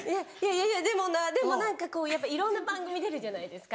いやいやでもいろんな番組出るじゃないですか。